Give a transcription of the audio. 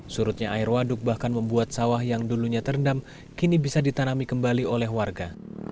surutnya air waduk bahkan membuat sawah yang dulunya terendam kini bisa ditanami kembali oleh warga